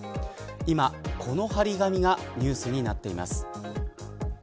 今、この張り紙がニュースになっています。